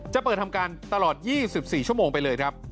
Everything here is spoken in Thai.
จะเปิดทำการตลอด๒๔ชั่วโมงไปเลยครับ